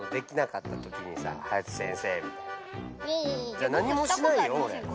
じゃなにもしないよオレ。